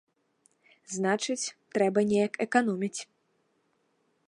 Значыць, трэба неяк эканоміць.